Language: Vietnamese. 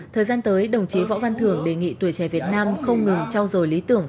thời gian tới đồng chí võ văn thưởng đề nghị tuổi trẻ việt nam không ngừng trao dồi lý tưởng